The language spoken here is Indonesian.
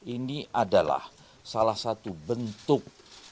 ini adalah salah satu bentuk